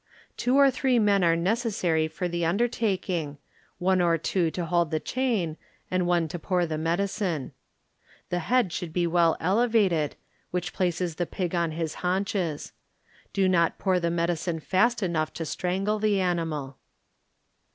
Two or three men are necessary for the undertaking, one or two to hold the chain and one to pour the medicine. The head should be well elevated, which places the pig on his haunches. Do not pour the medicine fast enough to strangle the animal.